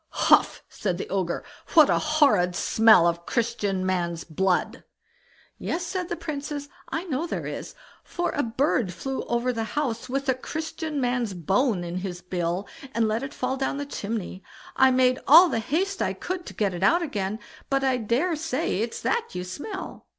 "HUF!" said the Ogre; "what a horrid smell of Christian man's blood!" "Yes!" said the Princess, "I know there is, for a bird flew over the house with a Christian man's bone in his bill, and let it fall down the chimney. I made all the haste I could to get it out again, but I dare say it's that you smell."